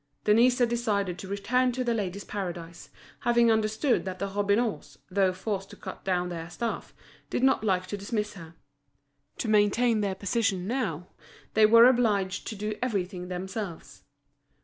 Denise had decided to return to The Ladies' Paradise, having understood that the Robineaus, though forced to cut down their staff, did not like to dismiss her. To maintain their position, now, they were obliged to do everything themselves.